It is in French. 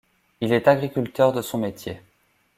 Il est agriculteur de son métier.